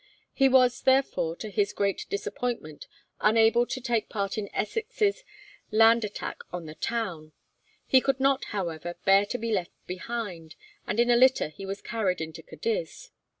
He was, therefore, to his great disappointment, unable to take part in Essex's land attack on the town. He could not, however, bear to be left behind, and in a litter he was carried into Cadiz.